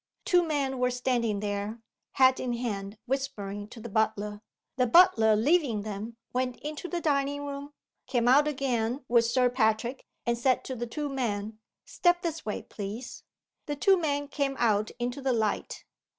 Two men were standing there, hat in hand whispering to the butler. The butler, leaving them, went into the dining room came out again with Sir Patrick and said to the two men, "Step this way, please." The two men came out into the light.